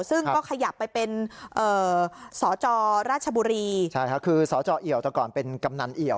ซึ่งก็ขยับไปเป็นสจราชบุรีใช่ค่ะคือสจเอี่ยวแต่ก่อนเป็นกำนันเอี่ยว